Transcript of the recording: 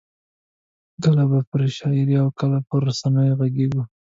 کله به پر شاعرۍ او کله پر رسنیو غږېدو.